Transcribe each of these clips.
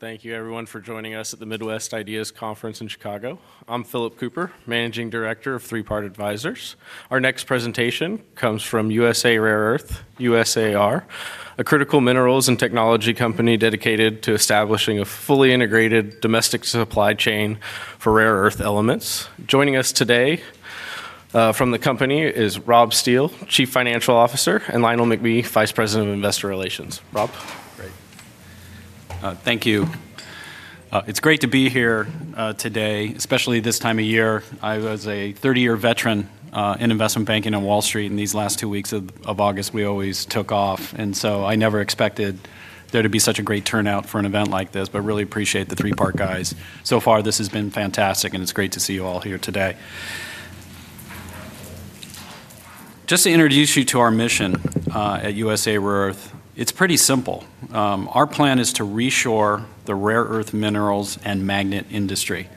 Thank you, everyone, for joining us at the Midwest Ideas Conference in Chicago. I'm Philip Cooper, Managing Director of ThreePart Advisors. Our next presentation comes from USA Rare Earth, a critical minerals and technology company dedicated to establishing a fully integrated domestic supply chain for rare earth elements. Joining us today from the company is Rob Steele, Chief Financial Officer, and Lionel McBee, Vice President of Investor Relations. Rob? Great. Thank you. It's great to be here today, especially this time of year. I was a 30-year veteran in investment banking on Wall Street, and these last two weeks of August, we always took off. I never expected there to be such a great turnout for an event like this, but I really appreciate the ThreePart guys. So far, this has been fantastic, and it's great to see you all here today. Just to introduce you to our mission at USA Rare Earth, it's pretty simple. Our plan is to reshore the rare earth minerals and magnet industry.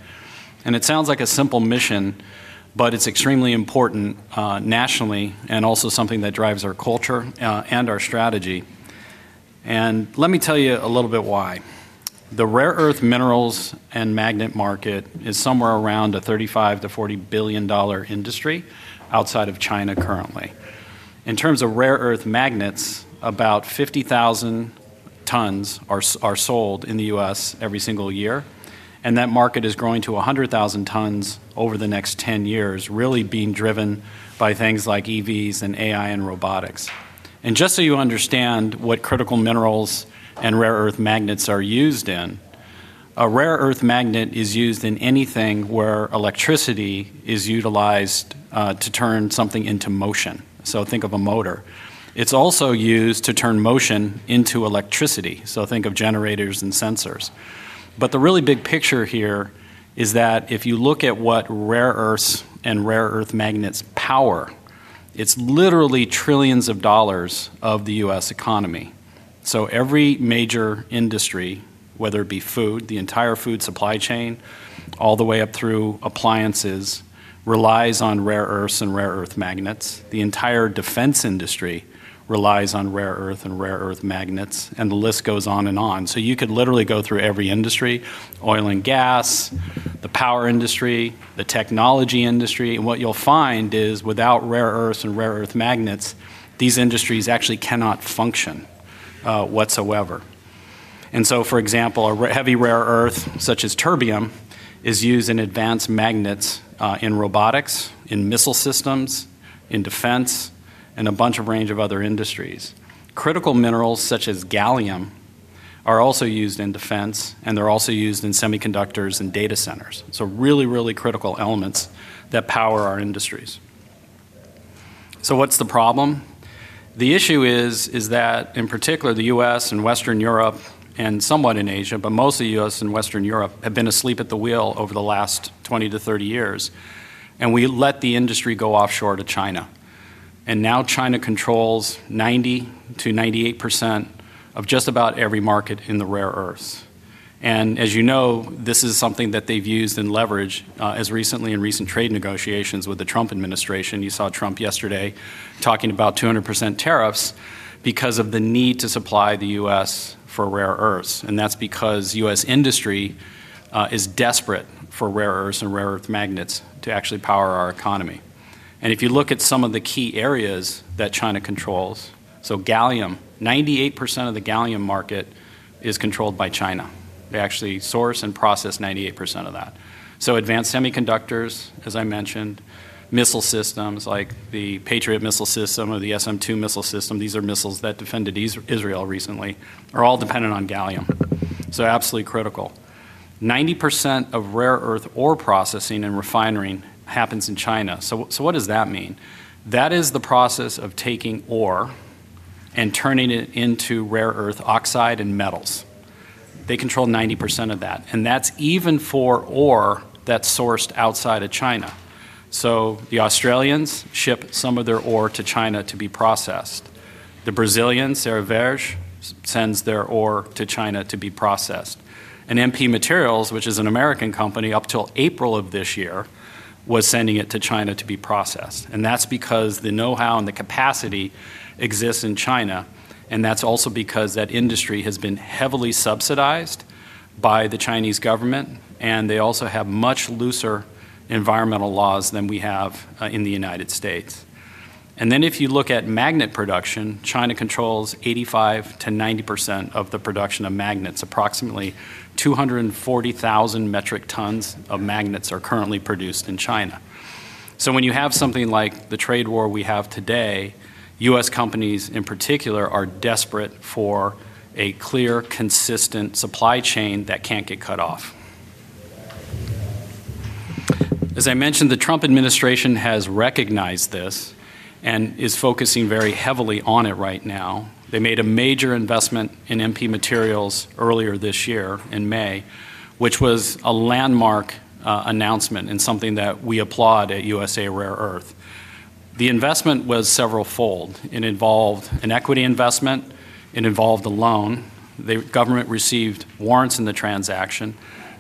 It sounds like a simple mission, but it's extremely important nationally and also something that drives our culture and our strategy. Let me tell you a little bit why. The rare earth minerals and magnet market is somewhere around a $35 billion-$40 billion industry outside of China currently. In terms of rare earth magnets, about 50,000 tons are sold in the United States every single year, and that market is growing to 100,000 tons over the next 10 years, really being driven by things like EVs and AI and robotics. Just so you understand what critical minerals and rare earth magnets are used in, a rare earth magnet is used in anything where electricity is utilized to turn something into motion. Think of a motor. It's also used to turn motion into electricity. Think of generators and sensors. The really big picture here is that if you look at what rare earths and rare earth magnets power, it's literally trillions of dollars of the U.S. economy. Every major industry, whether it be food, the entire food supply chain, all the way up through appliances, relies on rare earths and rare earth magnets. The entire defense industry relies on rare earths and rare earth magnets, and the list goes on and on. You could literally go through every industry: oil and gas, the power industry, the technology industry, and what you'll find is without rare earths and rare earth magnets, these industries actually cannot function whatsoever. For example, a heavy rare earth such as terbium is used in advanced magnets in robotics, in missile systems, in defense, and a range of other industries. Critical minerals such as gallium are also used in defense, and they're also used in semiconductors and data centers. These are really, really critical elements that power our industries. What's the problem? The issue is that, in particular, the U.S. and Western Europe, and somewhat in Asia, but mostly U.S. and Western Europe have been asleep at the wheel over the last 20-30 years, and we let the industry go offshore to China. Now China controls 90%-98% of just about every market in the rare earths. As you know, this is something that they've used and leveraged as recently in recent trade negotiations with the Trump administration. You saw Trump yesterday talking about 200% tariffs because of the need to supply the U.S. for rare earths. That's because U.S. industry is desperate for rare earths and rare earth magnets to actually power our economy. If you look at some of the key areas that China controls, gallium, 98% of the gallium market is controlled by China. They actually source and process 98% of that. Advanced semiconductors, as I mentioned, missile systems like the Patriot missile system or the SM-2 missile system, these are missiles that defended Israel recently, are all dependent on gallium. Absolutely critical. 90% of rare earth ore processing and refinery happens in China. What does that mean? That is the process of taking ore and turning it into rare earth oxide and metals. They control 90% of that. That's even for ore that's sourced outside of China. The Australians ship some of their ore to China to be processed. The Brazilians, Cerveij, sends their ore to China to be processed. MP Materials, which is an American company up till April of this year, was sending it to China to be processed. That's because the know-how and the capacity exists in China. That's also because that industry has been heavily subsidized by the Chinese government, and they also have much looser environmental laws than we have in the United States. If you look at magnet production, China controls 85%-90% of the production of magnets. Approximately 240,000 metric tons of magnets are currently produced in China. When you have something like the trade war we have today, U.S. companies in particular are desperate for a clear, consistent supply chain that can't get cut off. As I mentioned, the Trump administration has recognized this and is focusing very heavily on it right now. They made a major investment in MP Materials earlier this year in May, which was a landmark announcement and something that we applaud at USA Rare Earth. The investment was several-fold. It involved an equity investment. It involved a loan. The government received warrants in the transaction,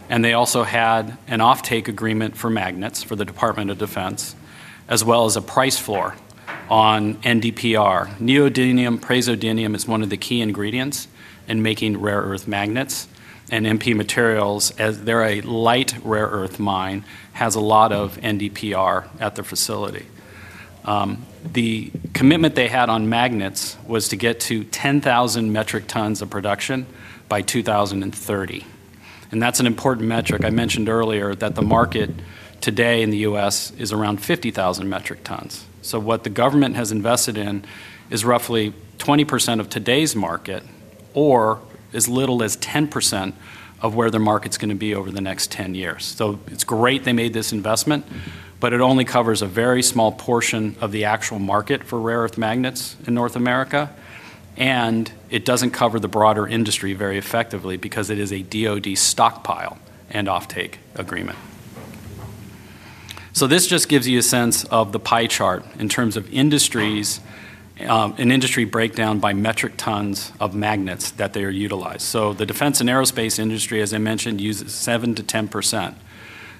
and they also had an off-take agreement for magnets for the Department of Defense, as well as a price floor on NdPr. Neodymium praseodymium is one of the key ingredients in making rare earth magnets, and MP Materials, as they're a light rare earth mine, has a lot of NdPr at the facility. The commitment they had on magnets was to get to 10,000 metric tons of production by 2030. That's an important metric. I mentioned earlier that the market today in the U.S. is around 50,000 metric tons. What the government has invested in is roughly 20% of today's market or as little as 10% of where the market's going to be over the next 10 years. It's great they made this investment, but it only covers a very small portion of the actual market for rare earth magnets in North America, and it doesn't cover the broader industry very effectively because it is a Department of Defense stockpile and off-take agreement. This just gives you a sense of the pie chart in terms of industries and industry breakdown by metric tons of magnets that they are utilized. The defense and aerospace industry, as I mentioned, uses 7%-10%.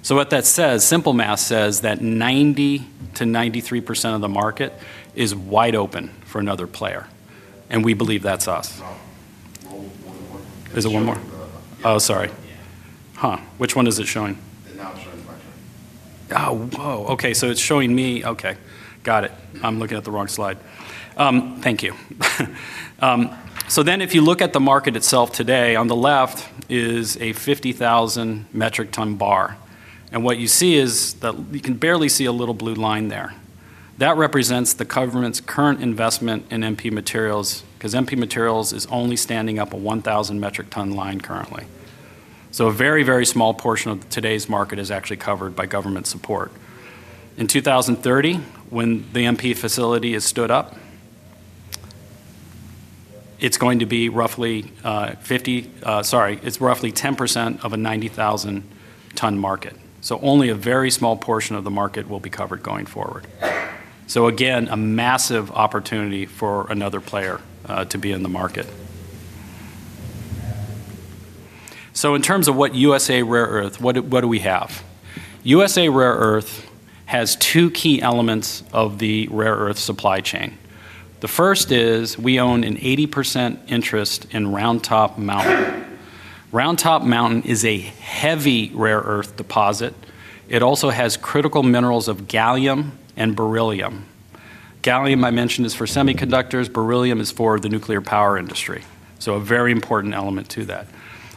What that says, simple math says that 90 to 93% of the market is wide open for another player, and we believe that's us. Which one is it showing? OK, so it's showing me. OK, got it. I'm looking at the wrong slide. Thank you. If you look at the market itself today, on the left is a 50,000 metric ton bar. What you see is that you can barely see a little blue line there. That represents the government's current investment in MP Materials because MP Materials is only standing up a 1,000 metric ton line currently. A very, very small portion of today's market is actually covered by government support. In 2030, when the MP facility has stood up, it's going to be roughly 10% of a 90,000 ton market. Only a very small portion of the market will be covered going forward. Again, a massive opportunity for another player to be in the market. In terms of what USA Rare Earth, what do we have? USA Rare Earth has two key elements of the rare earth supply chain. The first is we own an 80% interest in Round Top Mountain. Round Top Mountain is a heavy rare earth deposit. It also has critical minerals of gallium and beryllium. Gallium, I mentioned, is for semiconductors. Beryllium is for the nuclear power industry. A very important element to that.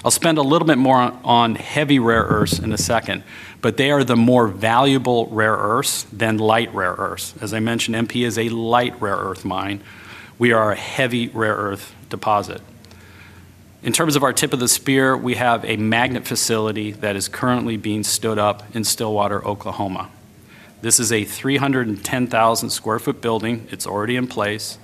I'll spend a little bit more on heavy rare earths in a second, but they are the more valuable rare earths than light rare earths. As I mentioned, MP Materials is a light rare earth mine. We are a heavy rare earth deposit. In terms of our tip of the spear, we have a magnet facility that is currently being stood up in Stillwater, Oklahoma. This is a 310,000 square foot building. It's already in place.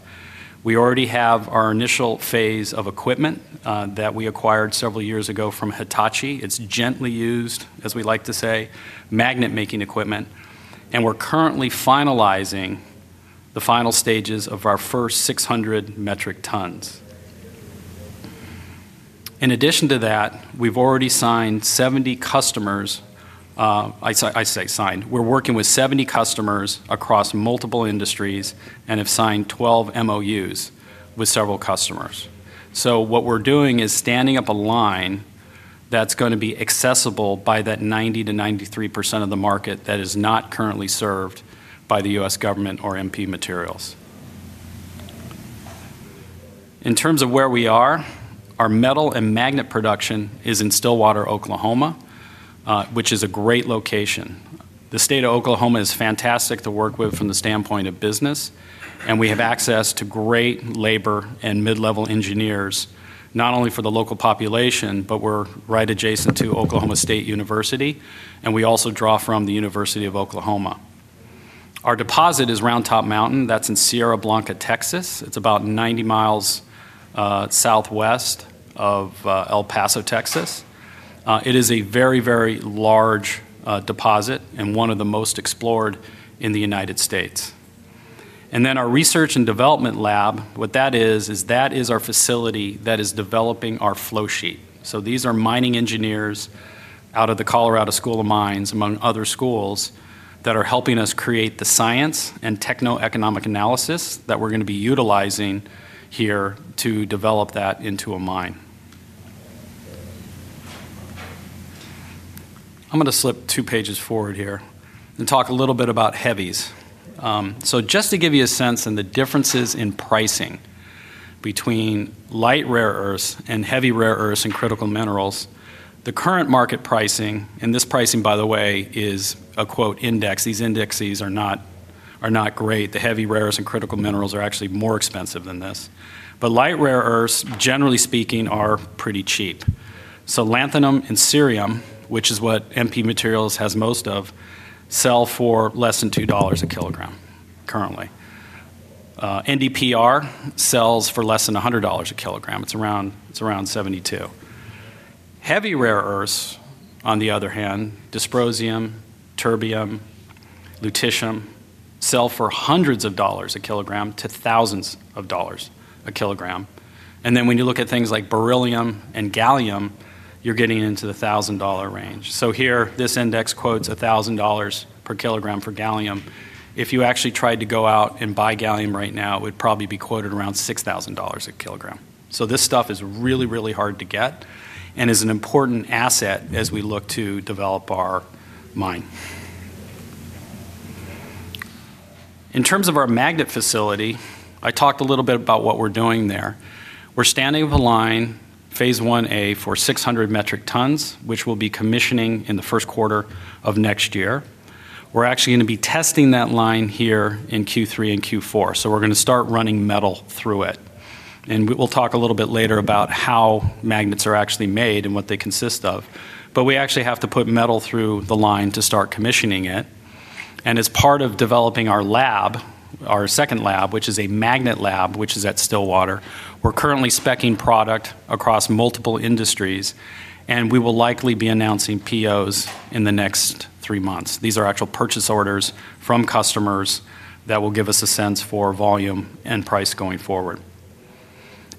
We already have our initial phase of equipment that we acquired several years ago from Hitachi. It's gently used, as we like to say, magnet-making equipment. We're currently finalizing the final stages of our first 600 metric tons. In addition to that, we've already signed 70 customers. I say signed. We're working with 70 customers across multiple industries and have signed 12 MOUs with several customers. What we're doing is standing up a line that's going to be accessible by that 90%-93% of the market that is not currently served by the U.S. government or MP Materials. In terms of where we are, our metal and magnet production is in Stillwater, Oklahoma, which is a great location. The state of Oklahoma is fantastic to work with from the standpoint of business, and we have access to great labor and mid-level engineers, not only for the local population, but we're right adjacent to Oklahoma State University, and we also draw from the University of Oklahoma. Our deposit is Round Top Mountain. That's in Sierra Blanca, Texas. It's about 90 miles southwest of El Paso, Texas. It is a very, very large deposit and one of the most explored in the United States. Our research and development lab, what that is, is our facility that is developing our flow sheet. These are mining engineers out of the Colorado School of Mines, among other schools, that are helping us create the science and techno-economic analysis that we're going to be utilizing here to develop that into a mine. I'm going to slip two pages forward here and talk a little bit about heavies. Just to give you a sense of the differences in pricing between light rare earths and heavy rare earths and critical minerals, the current market pricing, and this pricing, by the way, is a quote index. These indexes are not great. The heavy rare earths and critical minerals are actually more expensive than this. Light rare earths, generally speaking, are pretty cheap. Lanthanum and cerium, which is what MP Materials has most of, sell for less than $2 a kg currently. NDPR sells for less than $100 a kg. It's around $72. Heavy rare earths, on the other hand, dysprosium, terbium, lutetium, sell for hundreds of dollars a kg to thousands of dollars a kg. When you look at things like beryllium and gallium, you're getting into the $1,000 range. Here, this index quotes $1,000 per kg for gallium. If you actually tried to go out and buy gallium right now, it would probably be quoted around $6,000 a kg. This stuff is really, really hard to get and is an important asset as we look to develop our mine. In terms of our magnet facility, I talked a little bit about what we're doing there. We're standing up a line, phase 1A, for 600 metric tons, which we'll be commissioning in the first quarter of next year. We're actually going to be testing that line here in Q3 and Q4. We're going to start running metal through it. We'll talk a little bit later about how magnets are actually made and what they consist of. We actually have to put metal through the line to start commissioning it. As part of developing our lab, our second lab, which is a magnet lab at Stillwater, we're currently speccing product across multiple industries, and we will likely be announcing POs in the next three months. These are actual purchase orders from customers that will give us a sense for volume and price going forward.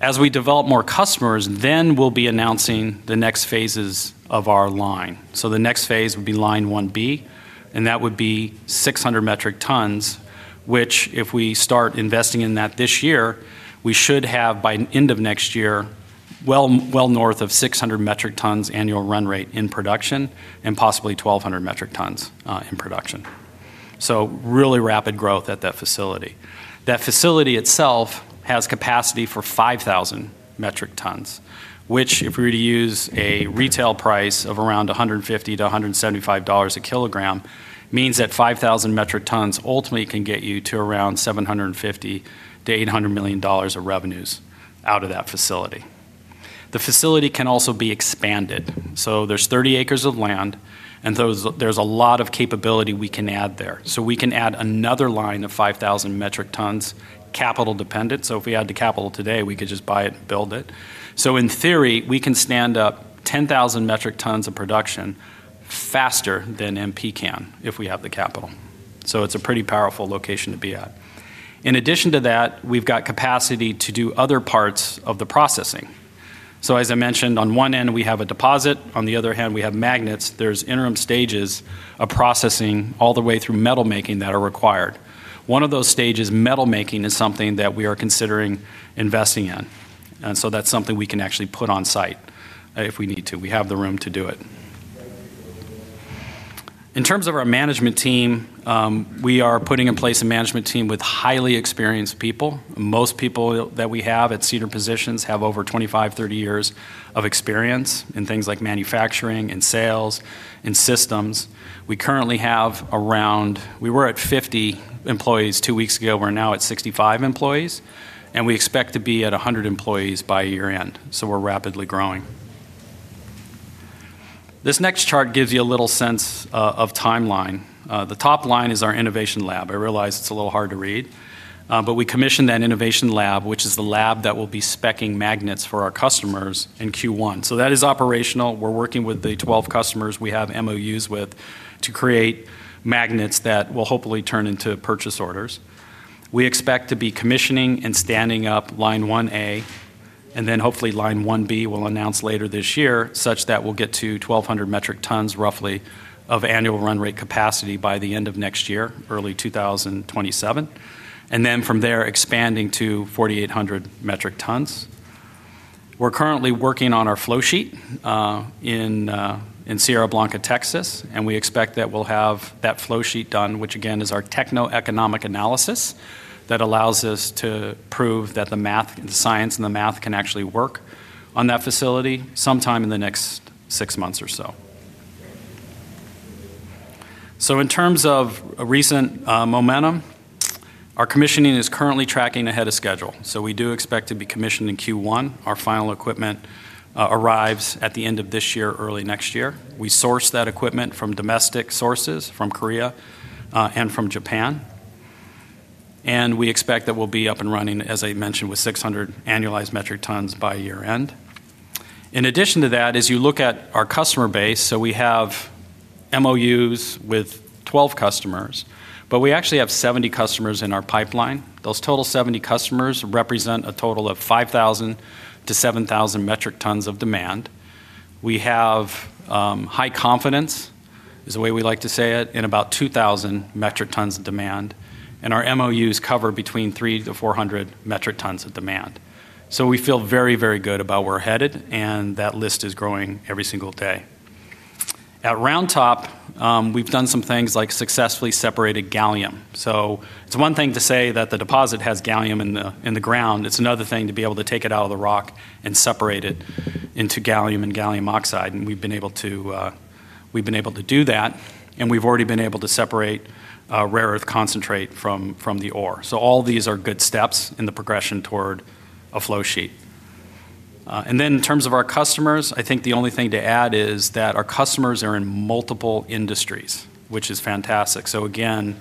As we develop more customers, then we'll be announcing the next phases of our line. The next phase would be line 1B, and that would be 600 metric tons, which if we start investing in that this year, we should have, by the end of next year, well north of 600 metric tons annual run rate in production and possibly 1,200 metric tons in production. Really rapid growth at that facility. That facility itself has capacity for 5,000 metric tons, which, if we were to use a retail price of around $150 to $175 a kg, means that 5,000 metric tons ultimately can get you to around $750 million-$800 million of revenues out of that facility. The facility can also be expanded. There are 30 acres of land, and there's a lot of capability we can add there. We can add another line of 5,000 metric tons, capital dependent. If we had the capital today, we could just buy it and build it. In theory, we can stand up 10,000 metric tons of production faster than MP Materials can if we have the capital. It's a pretty powerful location to be at. In addition to that, we've got capacity to do other parts of the processing. As I mentioned, on one end, we have a deposit. On the other hand, we have magnets. There are interim stages of processing all the way through metal making that are required. One of those stages, metal making, is something that we are considering investing in. That's something we can actually put on site if we need to. We have the room to do it. In terms of our management team, we are putting in place a management team with highly experienced people. Most people that we have at senior positions have over 25, 30 years of experience in things like manufacturing and sales and systems. We currently have around, we were at 50 employees two weeks ago. We're now at 65 employees, and we expect to be at 100 employees by year-end. We're rapidly growing. This next chart gives you a little sense of timeline. The top line is our innovation lab. I realize it's a little hard to read, but we commissioned that innovation lab, which is the lab that will be speccing magnets for our customers in Q1. That is operational. We're working with the 12 customers we have MOUs with to create magnets that will hopefully turn into purchase orders. We expect to be commissioning and standing up line 1A, and then hopefully line 1B we'll announce later this year, such that we'll get to 1,200 metric tons, roughly, of annual run rate capacity by the end of next year, early 2027. From there, expanding to 4,800 metric tons. We're currently working on our flow sheet in Sierra Blanca, Texas, and we expect that we'll have that flow sheet done, which again is our techno-economic analysis that allows us to prove that the science and the math can actually work on that facility sometime in the next six months or so. In terms of recent momentum, our commissioning is currently tracking ahead of schedule. We do expect to be commissioned in Q1. Our final equipment arrives at the end of this year, early next year. We source that equipment from domestic sources, from Korea and from Japan. We expect that we'll be up and running, as I mentioned, with 600 annualized metric tons by year-end. In addition to that, as you look at our customer base, we have MOUs with 12 customers, but we actually have 70 customers in our pipeline. Those total 70 customers represent a total of 5,000 to 7,000 metric tons of demand. We have high confidence, is the way we like to say it, in about 2,000 metric tons of demand. Our MOUs cover between 300 to 400 metric tons of demand. We feel very, very good about where we're headed, and that list is growing every single day. At Round Top, we've done some things like successfully separated gallium. It's one thing to say that the deposit has gallium in the ground. It's another thing to be able to take it out of the rock and separate it into gallium and gallium oxide. We've been able to do that, and we've already been able to separate rare earth concentrate from the ore. All these are good steps in the progression toward a flow sheet. In terms of our customers, I think the only thing to add is that our customers are in multiple industries, which is fantastic. Again,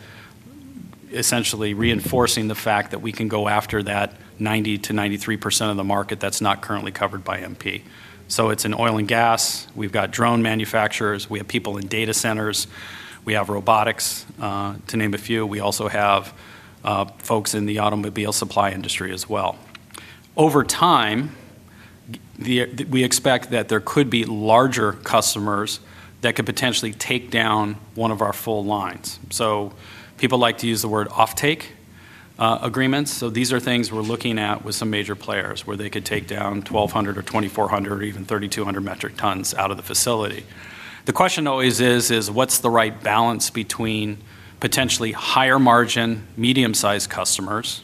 essentially reinforcing the fact that we can go after that 90 to 93% of the market that's not currently covered by MP Materials. It's in oil and gas. We've got drone manufacturers. We have people in data centers. We have robotics, to name a few. We also have folks in the automobile supply industry as well. Over time, we expect that there could be larger customers that could potentially take down one of our full lines. People like to use the word off-take agreements. These are things we're looking at with some major players where they could take down 1,200 or 2,400 or even 3,200 metric tons out of the facility. The question always is, what's the right balance between potentially higher margin, medium-sized customers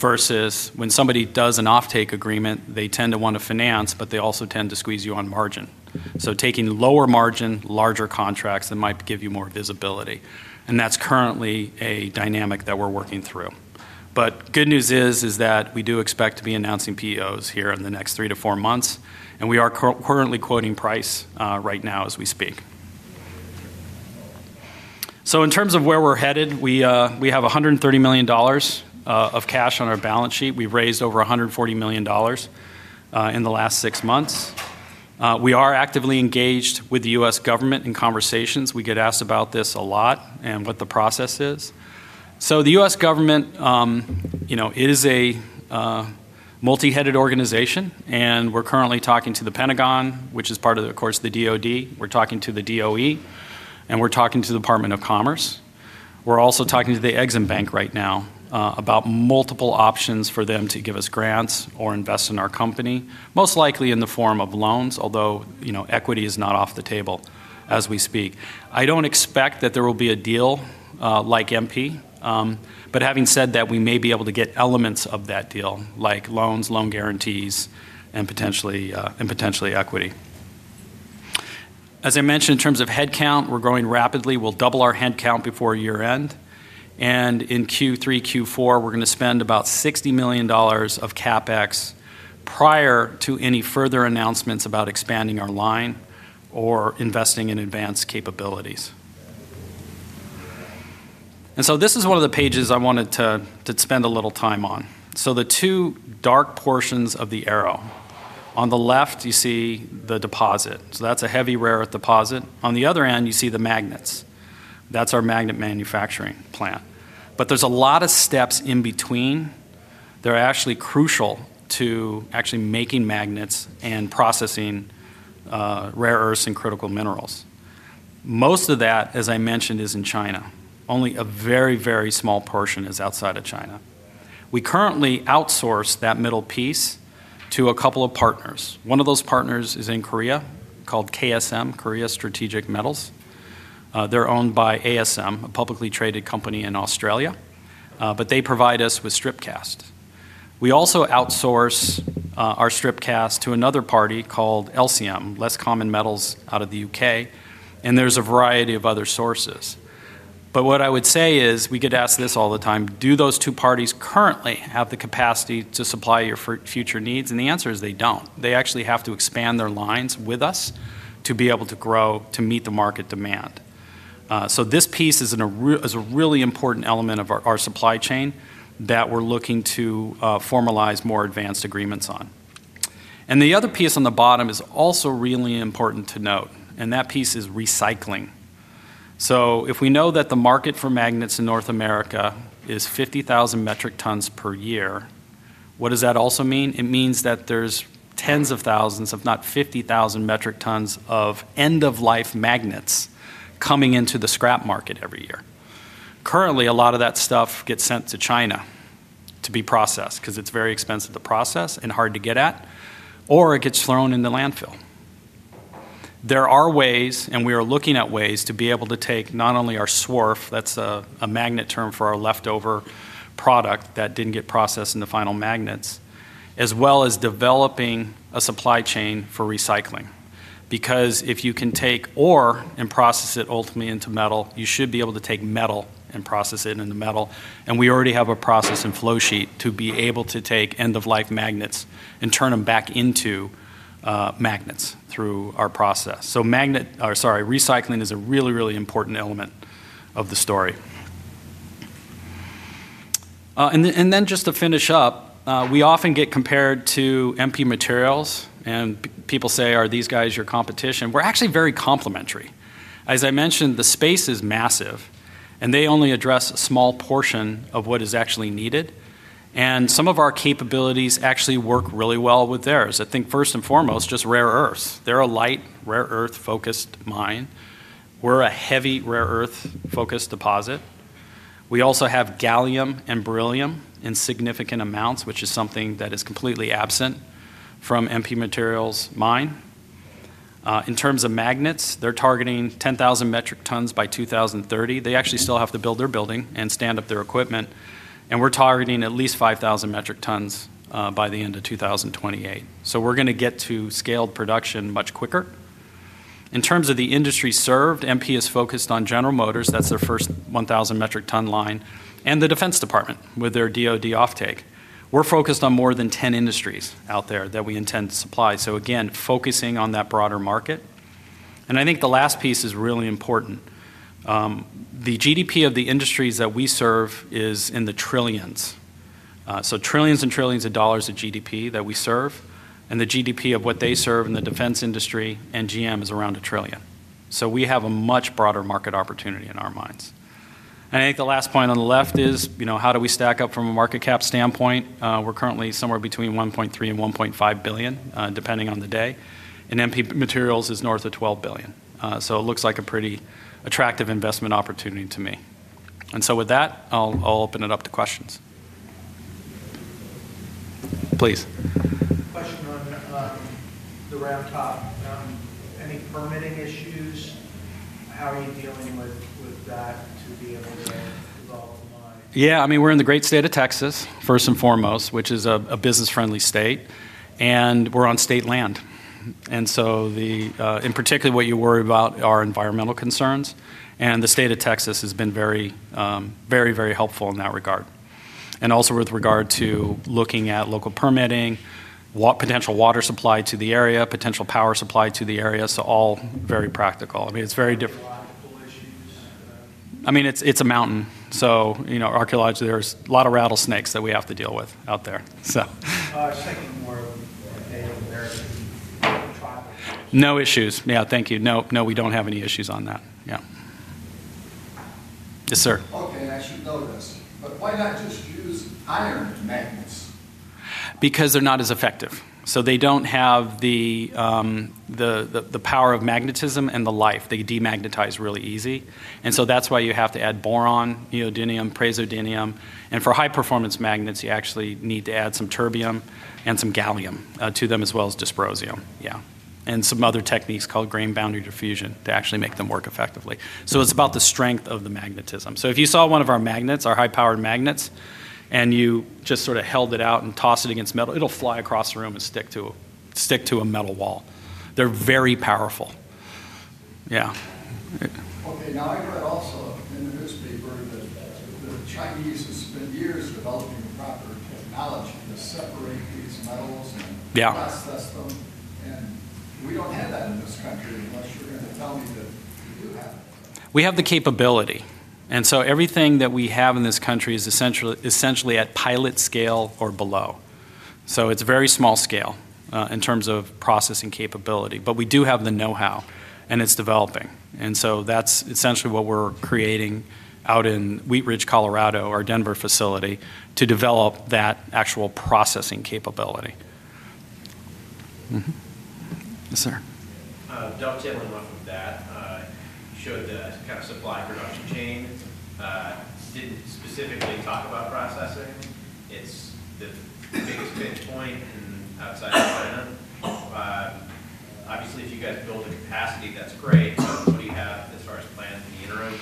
versus when somebody does an off-take agreement, they tend to want to finance, but they also tend to squeeze you on margin. Taking lower margin, larger contracts that might give you more visibility. That's currently a dynamic that we're working through. Good news is that we do expect to be announcing POs here in the next three to four months. We are currently quoting price right now as we speak. In terms of where we're headed, we have $130 million of cash on our balance sheet. We've raised over $140 million in the last six months. We are actively engaged with the U.S. government in conversations. We get asked about this a lot and what the process is. The U.S. government, you know, it is a multi-headed organization. We're currently talking to the Pentagon, which is part of, of course, the Department of Defense. We're talking to the Department of Energy. We're talking to the Department of Commerce. We're also talking to the Exim Bank right now about multiple options for them to give us grants or invest in our company, most likely in the form of loans, although equity is not off the table as we speak. I don't expect that there will be a deal like MP Materials. Having said that, we may be able to get elements of that deal, like loans, loan guarantees, and potentially equity. As I mentioned, in terms of headcount, we're growing rapidly. We'll double our headcount before year-end. In Q3, Q4, we're going to spend about $60 million of CapEx prior to any further announcements about expanding our line or investing in advanced capabilities. This is one of the pages I wanted to spend a little time on. The two dark portions of the arrow, on the left, you see the deposit. That's a heavy rare earth deposit. On the other end, you see the magnets. That's our magnet manufacturing plant. There's a lot of steps in between that are actually crucial to making magnets and processing rare earths and critical minerals. Most of that, as I mentioned, is in China. Only a very, very small portion is outside of China. We currently outsource that middle piece to a couple of partners. One of those partners is in Korea called Korea Strategic Metals, KSM. They're owned by ASM, a publicly traded company in Australia. They provide us with strip casts. We also outsource our strip cast to another party called Less Common Metals, LCM, out of the UK. There's a variety of other sources. What I would say is, we get asked this all the time, do those two parties currently have the capacity to supply your future needs? The answer is they don't. They actually have to expand their lines with us to be able to grow to meet the market demand. This piece is a really important element of our supply chain that we're looking to formalize more advanced agreements on. The other piece on the bottom is also really important to note. That piece is recycling. If we know that the market for magnets in North America is 50,000 metric tons per year, what does that also mean? It means that there's tens of thousands, if not 50,000 metric tons, of end-of-life magnets coming into the scrap market every year. Currently, a lot of that stuff gets sent to China to be processed because it's very expensive to process and hard to get at, or it gets thrown in the landfill. There are ways, and we are looking at ways, to be able to take not only our SWRF, that's a magnet term for our leftover product that didn't get processed in the final magnets, as well as developing a supply chain for recycling. If you can take ore and process it ultimately into metal, you should be able to take metal and process it into metal. We already have a process and flow sheet to be able to take end-of-life magnets and turn them back into magnets through our process. Recycling is a really, really important element of the story. To finish up, we often get compared to MP Materials, and people say, are these guys your competition? We're actually very complementary. The space is massive, and they only address a small portion of what is actually needed. Some of our capabilities actually work really well with theirs. I think first and foremost, just rare earths. They're a light rare earth-focused mine. We're a heavy rare earth-focused deposit. We also have gallium and beryllium in significant amounts, which is something that is completely absent from MP Materials' mine. In terms of magnets, they're targeting 10,000 metric tons by 2030. They actually still have to build their building and stand up their equipment. We're targeting at least 5,000 metric tons by the end of 2028. We're going to get to scaled production much quicker. In terms of the industry served, MP is focused on General Motors. That's their first 1,000 metric ton line. The Department of Defense with their DOD off-take. We're focused on more than 10 industries out there that we intend to supply, focusing on that broader market. I think the last piece is really important. The GDP of the industries that we serve is in the trillions. Trillions and trillions of dollars of GDP that we serve. The GDP of what they serve in the defense industry and GM is around a trillion. We have a much broader market opportunity in our minds. I think the last point on the left is, how do we stack up from a market cap standpoint? We're currently somewhere between $1.3 billion and $1.5 billion, depending on the day. MP Materials is north of $12 billion. It looks like a pretty attractive investment opportunity to me. With that, I'll open it up to questions. Please. Question on the Round Top. Any permitting issues? How are you dealing with that to be able to go? Yeah, I mean, we're in the great state of Texas, first and foremost, which is a business-friendly state. We're on state land. In particular, what you worry about are environmental concerns. The state of Texas has been very, very, very helpful in that regard, also with regard to looking at local permitting, potential water supply to the area, and potential power supply to the area. All very practical. I mean, it's very different. It's a mountain. Archaeologically, there's a lot of rattlesnakes that we have to deal with out there. Second, more data. No issues. Thank you. No, we don't have any issues on that. Yes, sir. OK, I should know this. Why not just use iron? Because they're not as effective. They don't have the power of magnetism and the life. They demagnetize really easy. That's why you have to add boron, neodymium, praseodymium. For high-performance magnets, you actually need to add some terbium and some gallium to them, as well as dysprosium. Some other techniques called grain boundary diffusion actually make them work effectively. It's about the strength of the magnetism. If you saw one of our magnets, our high-powered magnets, and you just sort of held it out and tossed it against metal, it'll fly across the room and stick to a metal wall. They're very powerful. OK, I also, and this would be very much better, the Chinese have spent years developing proper technology to separate these metals and process them. We don't have that in this country. We have the capability. Everything that we have in this country is essentially at pilot scale or below. It is very small scale in terms of processing capability. We do have the know-how, and it's developing. That is essentially what we're creating out in Wheat Ridge, Colorado, our Denver facility, to develop that actual processing capability. Jumped in on off of that. Showed the supply production chain. Specifically, you talk about processing. It's the biggest pinch point outside of the other. Obviously, if you get the older capacity, that's great. You have as far as planning the interim,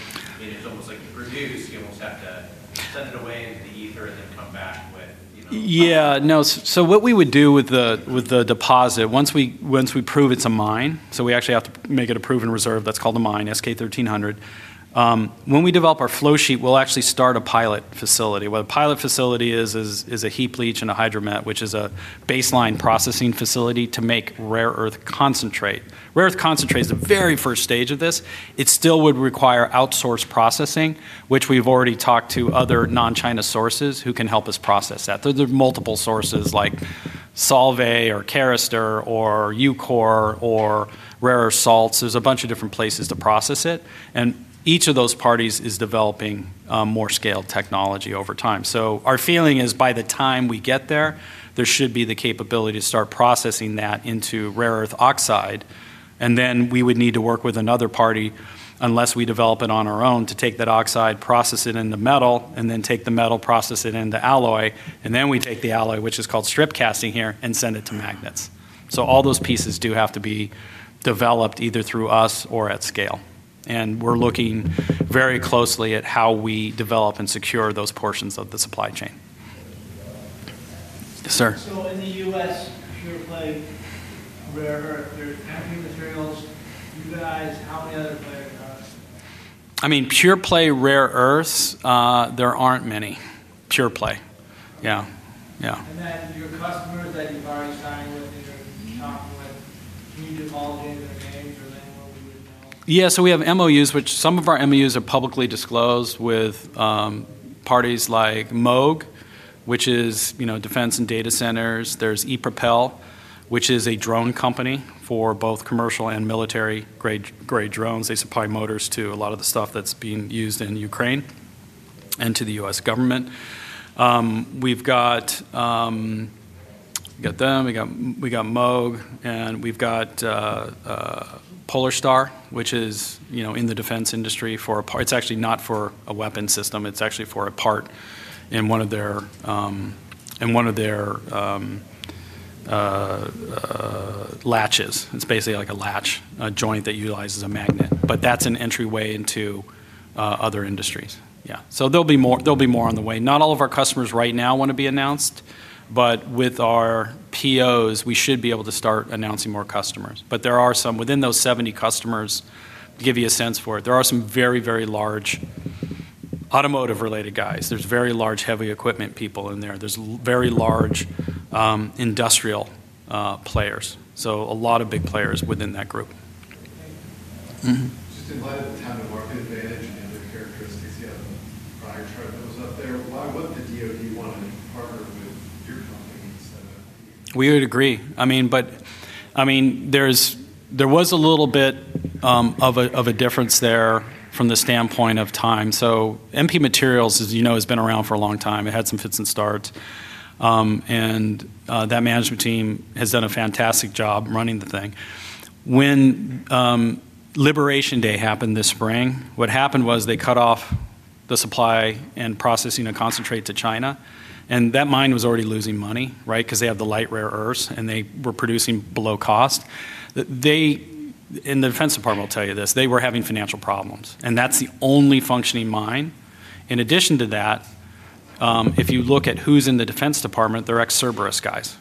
it's almost like you produce. You almost have to send it away in the ether and then come back with. Yeah, no. What we would do with the deposit, once we prove it's a mine, is we actually have to make it a proven reserve. That's called a mine, SK 1300. When we develop our flow sheet, we'll actually start a pilot facility. What a pilot facility is, is a heap leach and a hydromet, which is a baseline processing facility to make rare earth concentrate. Rare earth concentrate is the very first stage of this. It still would require outsourced processing, which we've already talked to other non-China sources who can help us process that. Those are multiple sources like Solvay or Keryster or UCOR or Rare Earth Salts. There are a bunch of different places to process it. Each of those parties is developing more scale technology over time. Our feeling is, by the time we get there, there should be the capability to start processing that into rare earth oxide. We would need to work with another party, unless we develop it on our own, to take that oxide, process it into the metal, and then take the metal, process it into the alloy. We take the alloy, which is called strip casting here, and send it to magnets. All those pieces do have to be developed either through us or at scale. We're looking very closely at how we develop and secure those portions of the supply chain. Yes, sir. In the U.S., pure play rare earth, they're MP Materials. You guys, how many other players are there? I mean, PurePlay rare earths, there aren't many. PurePlay. Yeah, yeah. Your customers that you buy China? Yeah, so we have MOUs, which some of our MOUs are publicly disclosed with parties like Moog, which is defense and data centers. There's ePropelled, which is a drone company for both commercial and military-grade drones. They supply motors to a lot of the stuff that's being used in Ukraine and to the U.S. government. We've got them. We got Moog. We've got PolarStar, which is in the defense industry for a part. It's actually not for a weapon system. It's actually for a part in one of their latches. It's basically like a latch, a joint that utilizes a magnet. That's an entryway into other industries. There'll be more on the way. Not all of our customers right now want to be announced. With our POs, we should be able to start announcing more customers. Within those 70 customers, to give you a sense for it, there are some very, very large automotive-related guys. There's very large heavy equipment people in there. There's very large industrial players. A lot of big players within that group. Just in light of the time of our advantage and the characteristics, the prior chart that was up there, why wouldn't the Department of Defense want to be part of it? We would agree. I mean, there was a little bit of a difference there from the standpoint of time. MP Materials, as you know, has been around for a long time. It had some fits and starts. That management team has done a fantastic job running the thing. When Liberation Day happened this spring, what happened was they cut off the supply and processing of concentrate to China. That mine was already losing money, right, because they have the light rare earths, and they were producing below cost. The Department of Defense will tell you this, they were having financial problems. That's the only functioning mine. In addition to that, if you look at who's in the Department of Defense, they're ex-Cerberus guys.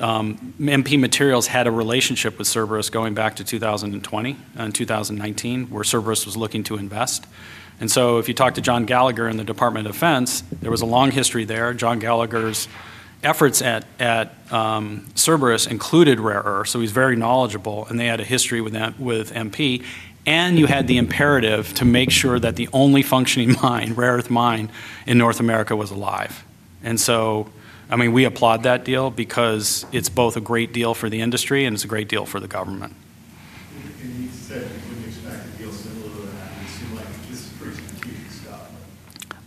MP Materials had a relationship with Cerberus going back to 2020 and 2019, where Cerberus was looking to invest. If you talk to John Gallagher in the Department of Defense, there was a long history there. John Gallagher's efforts at Cerberus included rare earths, so he's very knowledgeable. They had a history with MP. You had the imperative to make sure that the only functioning rare earth mine in North America was alive. We applaud that deal because it's both a great deal for the industry and it's a great deal for the government.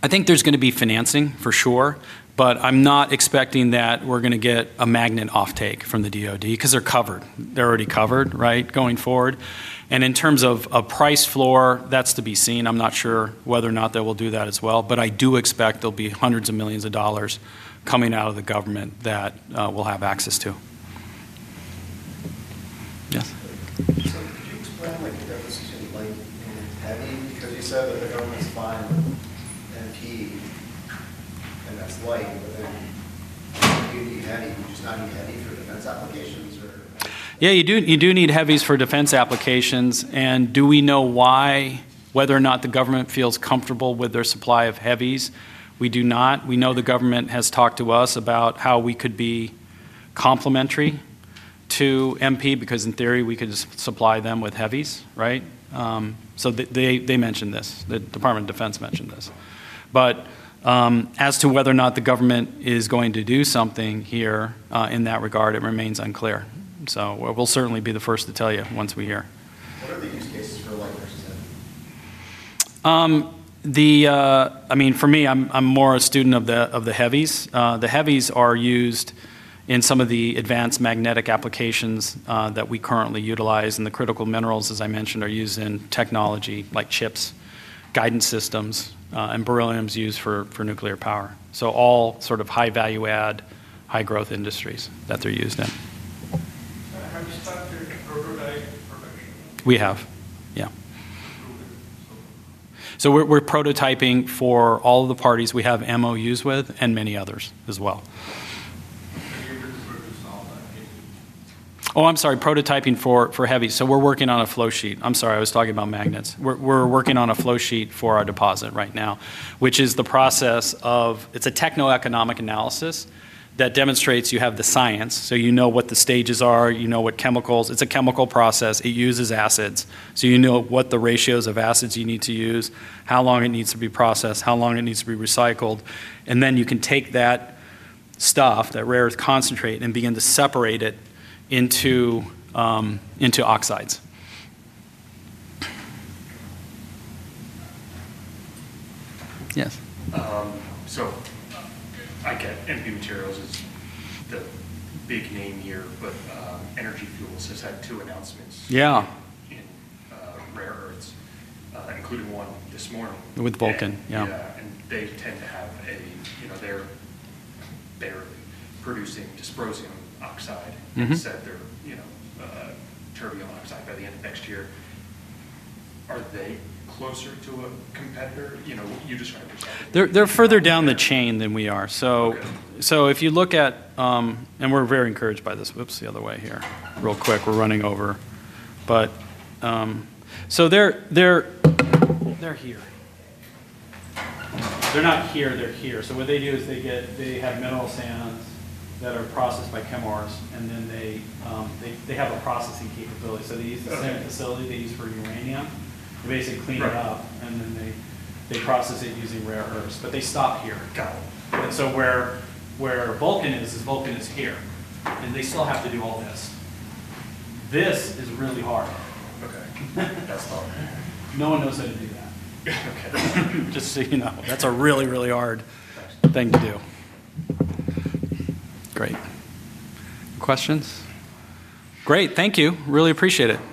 You said you wouldn't expect to be a similar piece for the UK. I think there's going to be financing for sure. I'm not expecting that we're going to get a magnet off-take from the Department of Defense because they're covered. They're already covered, right, going forward. In terms of a price floor, that's to be seen. I'm not sure whether or not they will do that as well. I do expect there'll be hundreds of millions of dollars coming out of the government that we'll have access to. Yes. Do you plan with the deposition of Blake in heavy? You said that the government's fine with him, and that's why he would then give you heavy, which is not going to happen. Yeah, you do need heavies for defense applications. Do we know why, whether or not the government feels comfortable with their supply of heavies? We do not. We know the government has talked to us about how we could be complementary to MP Materials because in theory, we could supply them with heavies, right? They mentioned this. The Department of Defense mentioned this. As to whether or not the government is going to do something here in that regard, it remains unclear. We'll certainly be the first to tell you once we hear. In this case, no longer accepted. I mean, for me, I'm more a student of the heavies. The heavies are used in some of the advanced magnetic applications that we currently utilize. The critical minerals, as I mentioned, are used in technology like chips, guidance systems, and beryllium is used for nuclear power. All sort of high value add, high growth industries that they're used in. Have you started to get prototyping? We have. Yeah. We're prototyping for all of the parties we have MOUs with and many others as well. We're working on a flow sheet for our deposit right now, which is the process of, it's a techno-economic analysis that demonstrates you have the science. You know what the stages are. You know what chemicals, it's a chemical process. It uses acids. You know what the ratios of acids you need to use, how long it needs to be processed, how long it needs to be recycled. You can take that stuff, that rare earth concentrate, and begin to separate it into oxides. Yes. MP Materials is the big name here, but Energy Fuels has had two announcements. Yeah. In rare earths, like including one this morning. With Vulcan, yeah. They tend to have a, you know, they're producing dysprosium oxide. You said they're, you know, terbium oxide by the end of next year. Are they closer to a competitor? You described it. They're further down the chain than we are. If you look at, and we're very encouraged by this, the other way here, real quick, we're running over. They're here. They're not here. They're here. What they do is they have mineral sands that are processed by Chemars, and then they have a processing capability. They use their facility. They use beryllium. They basically clean it up, and then they process it using rare earths. They stop here. Where Vulcan is, is Vulcan is here, and they still have to do all this. This is really hard. OK, that's dumb. No one knows how to do that. OK. Just so you know, that's a really, really hard thing to do. Great. Questions? Great. Thank you. Really appreciate it.